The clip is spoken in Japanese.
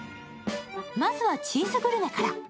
まずはチーズグルメから。